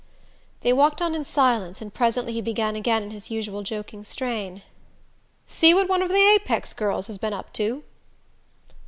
They walked on in silence, and presently he began again in his usual joking strain: "See what one of the Apex girls has been up to?"